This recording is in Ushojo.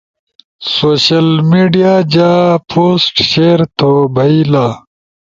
تسوشل میڈیا جا پوسٹس شئیر تھو بئیلا۔